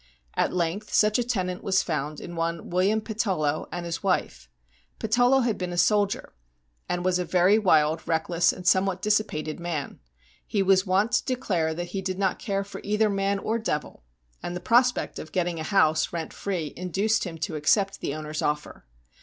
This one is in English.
At length such a tenant was found in one William Patullo and his wife. Patullo had been a soldier, and was a very wild, reck less, and somewhat dissipated man. He was wont to declare that he did not care for either man or devil, and the prospect 12 STORIES WEIRD AND WONDERFUL of getting a house rent free induced him to accept the owner's offer.